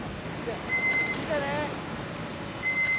見てね！